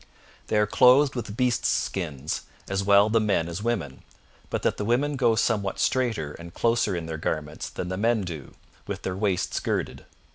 They are clothed with beasts' skins as well the men as women, but that the women go somewhat straighter and closer in their garments than the men do, with their waists girded.